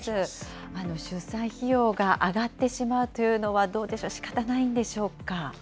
出産費用が上がってしまうというのは、どうでしょう、しかたないんでしょうか。